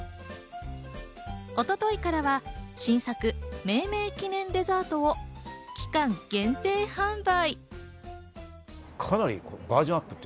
一昨日からは新作、命名記念デザートを期間限定販売。